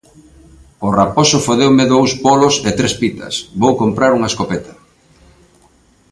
O raposo fodeume dous polos e tres pitas, vou comprar unha escopeta